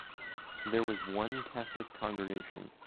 There was one Catholic congregation.